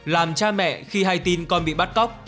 làm cha mẹ khi hay tin con bị bắt cóc